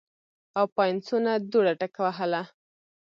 او پاينڅو نه دوړه ټکوهله